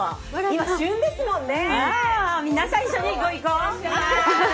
今、旬ですもんね。